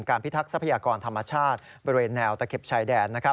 พิทักษัพยากรธรรมชาติบริเวณแนวตะเข็บชายแดน